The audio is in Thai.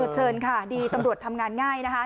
เชิญค่ะดีตำรวจทำงานง่ายนะคะ